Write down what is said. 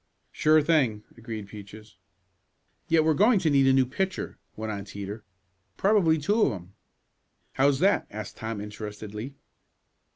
"Sure thing," agreed Peaches. "Yet we're going to need a new pitcher," went on Teeter. "Probably two of 'em?" "How's that?" asked Tom interestedly.